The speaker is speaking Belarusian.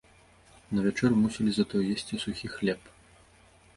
На вячэру мусілі затое есці сухі хлеб.